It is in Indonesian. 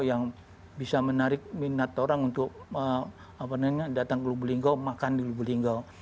yang bisa menarik minat orang untuk datang ke lubuk linggau makan di lubu linggau